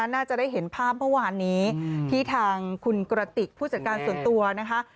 น่าจะได้เห็นภาพเมื่อวานนี้ที่ทางคุณกระติกผู้จัดการส่วนตัวนะคะ